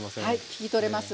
聞き取れます。